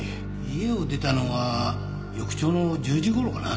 家を出たのは翌朝の１０時頃かな。